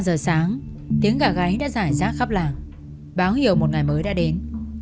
ba giờ sáng tiếng gà gáy đã giải rác khắp làng báo hiệu một ngày mới đã đến